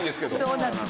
そうなんです。